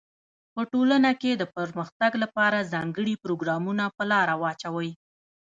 په ټولنه کي د پرمختګ لپاره ځانګړي پروګرامونه په لاره واچوی.